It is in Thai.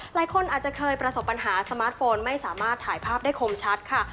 หลายคนอาจจะเคยประสบปัญหาสมาร์ทโฟนไม่สามารถถ่ายภาพได้คมชัดค่ะ